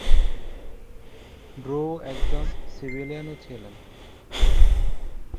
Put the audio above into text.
Bru একজন সিভিলিয়ানও ছিলেন।